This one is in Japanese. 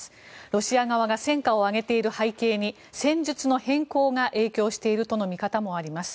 ロシア側が戦果を上げている背景に戦術の変更が影響しているとの見方もあります。